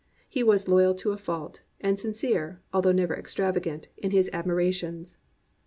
He was loyal to a fault, and sincere, though never extravagant, in his ad mirations.